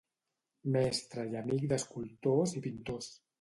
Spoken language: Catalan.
Mestre i amic d'escultors i pintors.